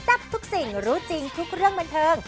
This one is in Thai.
ทับทุกสิ่งรู้จริงทุกเรื่องบันเทิง